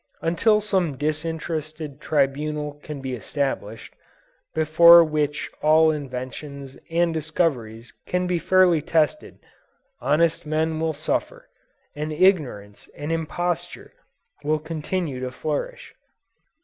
Until some disinterested tribunal can be established, before which all inventions and discoveries can be fairly tested, honest men will suffer, and ignorance and imposture will continue to flourish.